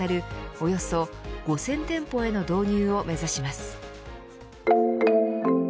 およそ５０００店舗への導入を目指します。